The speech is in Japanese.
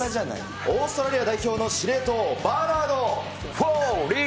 オーストラリア代表の司令塔、バーナード・フォーリー。